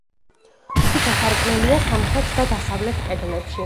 თითო სარკმელია სამხრეთ და დასავლეთ კედლებში.